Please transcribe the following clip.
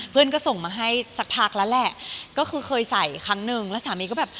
เพื่อนก็ส่งมาให้สักพักแล้วแหละก็คือเคยใส่ครั้งหนึ่งแล้วสามีก็แบบ